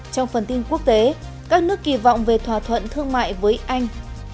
trong phần tin quốc tế các nước kỳ vọng về thỏa thuận thương mại với anh